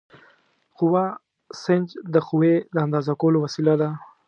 قوه سنج د قوې د اندازه کولو وسیله ده.